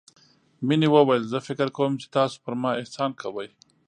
مينې وويل زه فکر کوم چې تاسو پر ما احسان کوئ.